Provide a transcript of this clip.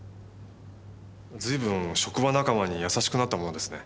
ずいぶん職場仲間に優しくなったものですね。